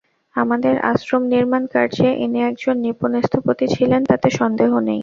আমাদের আশ্রম-নির্মাণ-কার্যে ইনি একজন নিপুণ স্থপতি ছিলেন তাতে সন্দেহ নেই।